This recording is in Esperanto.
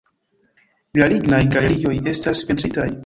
La lignaj galerioj estas pentritaj.